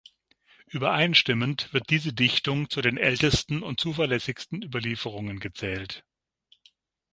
Übereinstimmend wird diese Dichtung zu den ältesten und zuverlässigsten Überlieferungen gezählt.